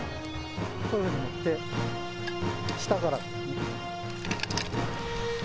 こういう風に持って下から。